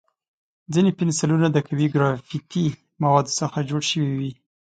ځینې پنسلونه د قوي ګرافیتي موادو څخه جوړ شوي وي.